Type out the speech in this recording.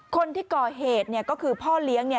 คนที่ก่อเหตุก็คือพ่อเลี้ยง